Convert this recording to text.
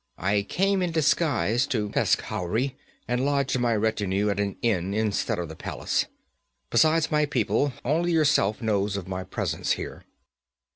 I came in disguise to Peshkhauri, and lodged my retinue at an inn instead of the palace. Besides my people, only yourself knows of my presence here.'